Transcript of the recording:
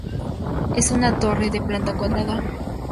Es una torre, de planta cuadrada.